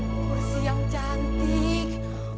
kursi yang cantik